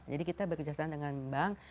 jadi kita berkecuali dengan bank